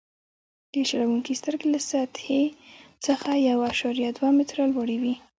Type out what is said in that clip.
د چلوونکي سترګې له سطحې څخه یو اعشاریه دوه متره لوړې وي